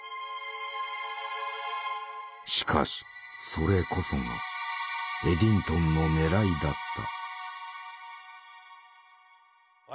しかしそれこそがエディントンのねらいだった。